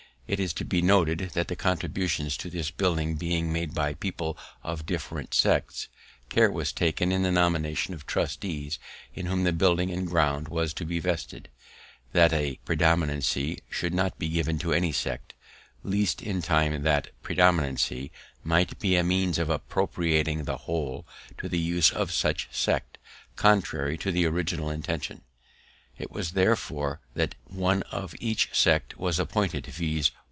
It is to be noted that the contributions to this building being made by people of different sects, care was taken in the nomination of trustees, in whom the building and ground was to be vested, that a predominancy should not be given to any sect, lest in time that predominancy might be a means of appropriating the whole to the use of such sect, contrary to the original intention. It was therefore that one of each sect was appointed, viz.